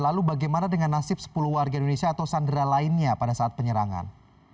lalu bagaimana dengan nasib sepuluh warga indonesia atau sandera lainnya pada saat penyerangan